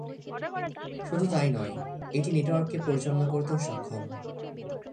শুধু তা-ই নয়, এটি নেটওয়ার্ককে পরিচালনা করতেও সক্ষম।